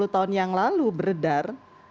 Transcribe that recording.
sepuluh tahun yang lalu beredar